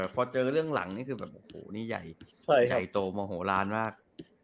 พอเจอเรื่องหลังนี่คือแบบโอ้โหนี่ใหญ่ใหญ่โตโมโหลานมาก